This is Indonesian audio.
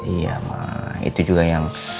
iya itu juga yang